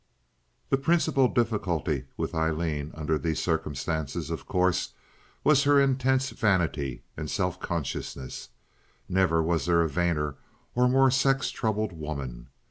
The principal difficulty with Aileen under these circumstances, of course, was her intense vanity and self consciousness. Never was there a vainer or more sex troubled woman.